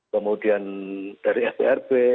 kemudian dari fbrb